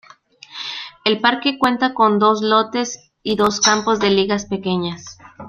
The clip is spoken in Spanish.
El parque cuenta con dos lotes y dos campos de ligas pequeñas.